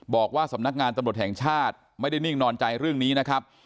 บอกว่าสำนักงานตำรวจแห่งชาติไม่ได้นิ่งนอนใจเรื่องนี้นะครับ